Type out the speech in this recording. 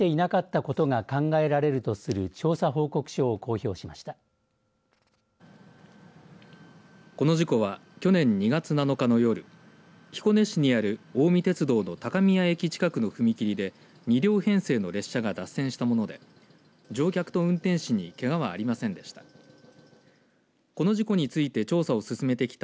この事故は去年２月７日の夜彦根市にある近江鉄道の高宮駅近くの踏み切りで２両編成の列車が脱線したもので乗客と運転士にけがはありませんでした。